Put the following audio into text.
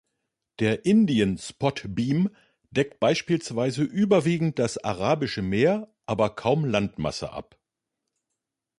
Der Indien-Spotbeam deckt beispielsweise überwiegend das Arabische Meer aber kaum Landmasse ab.